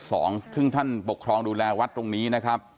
ซึ่งท่านปกครองดูแลวัดตรงนี้นะครับ